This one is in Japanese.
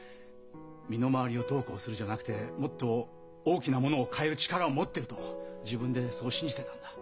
身の回りをどうこうするじゃなくてもっと大きなものを変える力を持ってると自分でそう信じてたんだ。